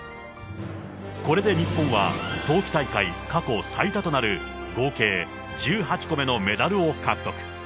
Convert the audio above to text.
これで日本は、冬季大会過去最多となる合計１８個目のメダルを獲得。